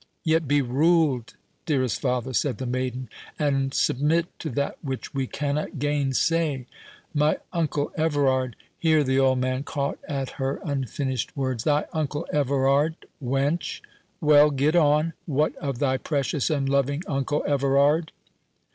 "Yet be ruled, dearest father," said the maiden, "and submit to that which we cannot gainsay. My uncle Everard"— Here the old man caught at her unfinished words. "Thy uncle Everard, wench!—Well, get on.—What of thy precious and loving uncle Everard?"